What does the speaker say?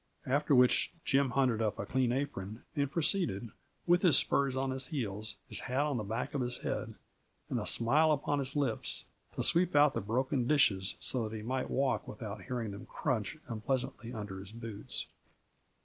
After which Jim hunted up a clean apron and proceeded, with his spurs on his heels, his hat on the back of his head, and a smile upon his lips, to sweep out the broken dishes so that he might walk without hearing them crunch unpleasantly under his boots.